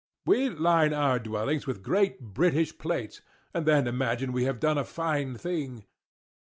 We line our dwellings with great British plates, and then imagine we have done a fine thing.